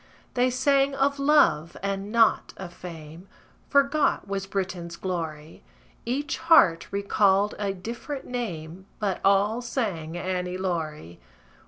They sang of love, and not of fame; Forgot was Britain's glory: Each heart recalled a different name, But all sang "Annie Laurie."